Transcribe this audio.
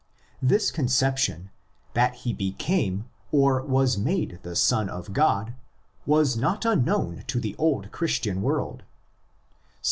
This conception, that he became or was made the Son of God, was not unknown in the old Christian world (cf.